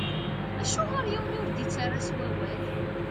Acuɣeṛ yiwen ur d-ittarra s wawal?